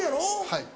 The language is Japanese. はい。